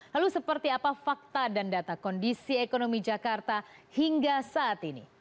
lalu seperti apa fakta dan data kondisi ekonomi jakarta hingga saat ini